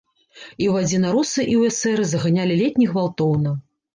І ў адзінаросы і ў эсэры заганялі ледзь не гвалтоўна.